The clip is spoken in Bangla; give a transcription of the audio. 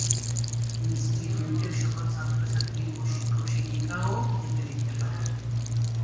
ইন্সটিটিউটের সকল ছাত্র-ছাত্রী ও শিক্ষক-শিক্ষিকাও এতে লিখতে পারেন।